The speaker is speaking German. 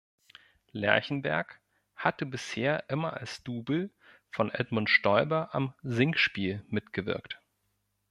Lerchenberg hatte bisher immer als Double von Edmund Stoiber am Singspiel mitgewirkt.